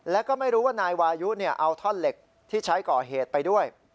แล้วก็ไม่รู้ว่านายวายุเอาท่อนเหล็กที่ใช้ก่อเหตุไปด้วย